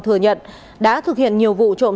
thừa nhận đã thực hiện nhiều vụ trộm